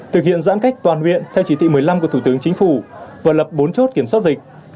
thực hiện giãn cách toàn huyện theo chỉ thị một mươi năm của thủ tướng chính phủ và lập bốn chốt kiểm soát dịch